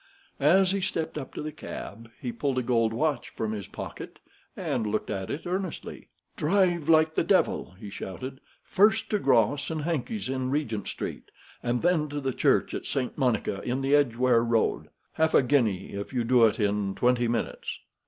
As he stepped up to the cab, he pulled a gold watch from his pocket and looked at it earnestly. 'Drive like the devil!' he shouted, 'first to Gross & Hankey's in Regent Street, and then to the Church of St. Monica in the Edgeware Road. Half a guinea if you do it in twenty minutes!'